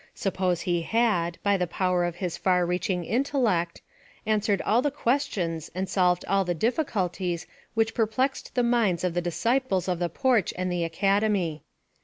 Suppose he had, by the power of far reaching intel lect, answered all the questions and solved all the difficulties which perplexed the minds of the disci ples of the Porch and the Academy.